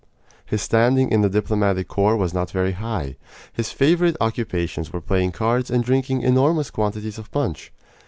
His standing in the diplomatic corps was not very high. His favorite occupations were playing cards and drinking enormous quantities of punch.